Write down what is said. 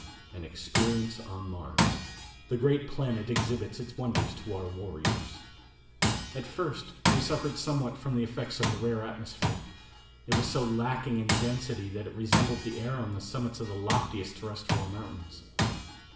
An Experience On Mars. The Great Planet Exhibits Its Wonders to Our Warriors. At first we suffered somewhat from the effects of the rare atmosphere. It was so lacking in density that it resembled the air on the summits of the loftiest terrestrial mountains.